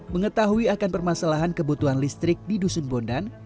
mengetahui akan permasalahan kebutuhan listrik di dusun bondan